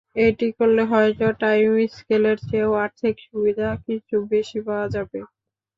এটি করলে হয়তো টাইম স্কেলের চেয়েও আর্থিক সুবিধা কিছু বেশি পাওয়া যাবে।